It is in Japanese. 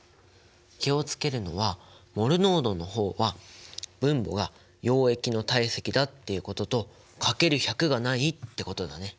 気を付けるのはモル濃度の方は分母が溶液の体積だっていうことと掛ける１００がないってことだね。